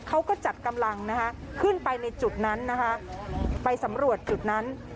เขาก็จัดกำลังนะคะขึ้นไปในจุดนั้นนะคะไปสำรวจจุดนั้น